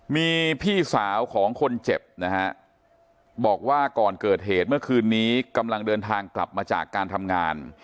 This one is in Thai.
มีพี่สาวของคนเจ็บนะฮะบอกว่าก่อนเกิดเหตุเมื่อคืนนี้กำลังเดินทางกลับมาจากการทำงาน